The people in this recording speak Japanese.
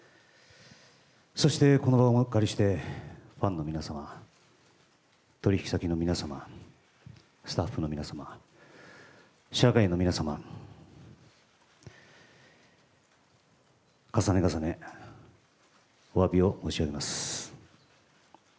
そしてこの場をお借りして、ファンの皆様、取り引き先の皆様、スタッフの皆様、社会の皆様、重ね重ね、おわびを申し上げます。